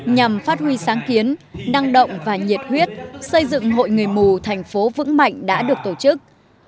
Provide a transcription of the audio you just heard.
nhằm phát huy sáng kiến năng động và nhiệt huyết xây dựng hội người mù thành phố vững mạnh đã được tổ chức